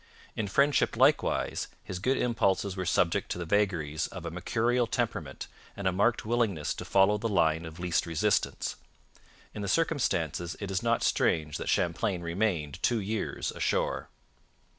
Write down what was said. In friendship likewise his good impulses were subject to the vagaries of a mercurial temperament and a marked willingness to follow the line of least resistance. In the circumstances it is not strange that Champlain remained two years ashore.